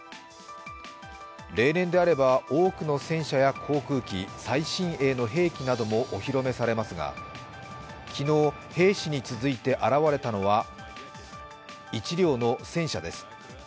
例年であれば多くの戦車や航空機、最新鋭の兵器などもお披露目されますが、昨日、兵士に続いて現れたのは１両の戦車です。